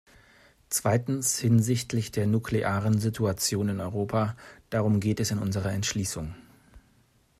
Zweitens hinsichtlich der nuklearen Situation in Europa. Darum geht es in unserer Entschließung.